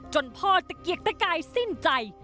พ่อตะเกียกตะกายสิ้นใจ